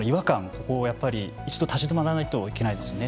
ここはやっぱり一度立ち止まらないといけないですよね。